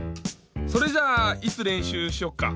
それじゃいつれんしゅうしよっか。